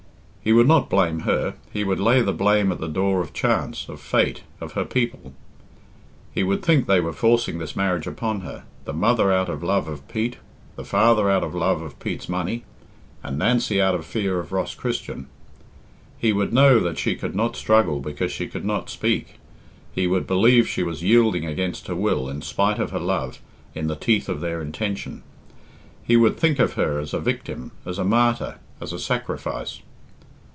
He would not blame her he would lay the blame at the door of chance, of fate, of her people. He would think they were forcing this marriage upon her the mother out of love of Pete, the father out of love of Pete's money, and Nancy out of fear of Ross Christian. He would know that she could not struggle because she could not speak. He would believe she was yielding against her will, in spite of her love, in the teeth of their intention. He would think of her as a victim, as a martyr, as a sacrifice.